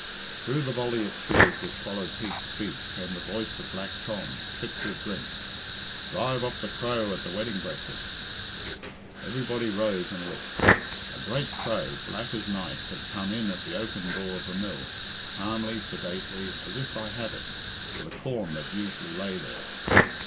Through the volley of cheers which followed Pete's speech came the voice of Black Tom, thick with drink, "Drive off the crow at the wedding breakfast." Everybody rose and looked. A great crow, black as night, had come in at the open door of the mill, calmly, sedately, as if by habit, for the corn that usually lay there.